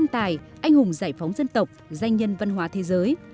nhân tài anh hùng giải phóng dân tộc danh nhân văn hóa thế giới